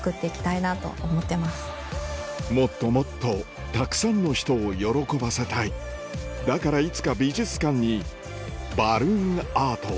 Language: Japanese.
もっともっとたくさんの人を喜ばせたいだからいつか美術館にバルーンアートを